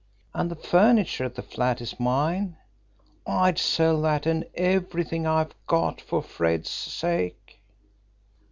And the furniture at the flat is mine. I'd sell that and everything I've got, for Fred's sake."